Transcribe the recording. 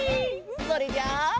それじゃあ。